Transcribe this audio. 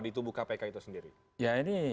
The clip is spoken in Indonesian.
di tubuh kpk itu sendiri ya ini